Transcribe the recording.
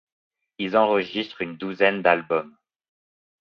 Ils enregistrent un douzaine d'albums.